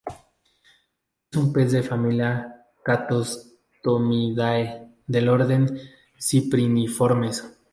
Es un pez de la familia Catostomidae del orden Cypriniformes.